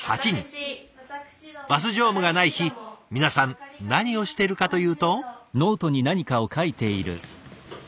バス乗務がない日皆さん何をしているかというと？